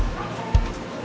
lo bakal jadi apa